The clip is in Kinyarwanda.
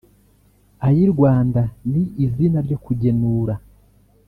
Ayirwanda ni izina ryo kugenura